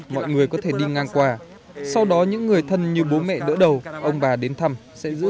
mọi người có thể đi ngang qua sau đó những người thân như bố mẹ đỡ đầu ông bà đến thăm sẽ giữ